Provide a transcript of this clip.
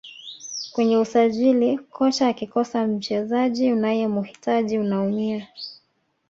kwenye usajili kocha akikosa mchezaji unayemhitaji unaumia